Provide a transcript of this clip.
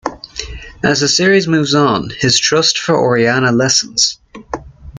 As the series moves on, his trust for Oreana lessens.